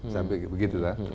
saya pikir begitu kan